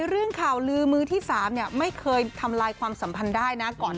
เรื่องข่าวลือมือที่๓ไม่เคยทำลายความสัมพันธ์ได้นะก่อน